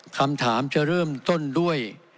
คำถามจะเริ่มต้นด้วย